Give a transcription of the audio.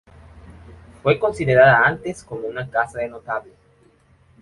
Fue considerada antes como una casa de notable.